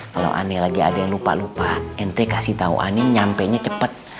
kalau ane lagi ada yang lupa lupa ente kasih tau ane nyampe nya cepet